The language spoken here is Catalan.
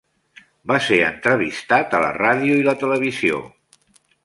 Va ser entrevistat a la ràdio i la televisió.